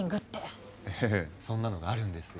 ええそんなのがあるんですよ。